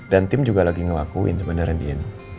dan tim juga lagi ngelakuin sebenarnya randy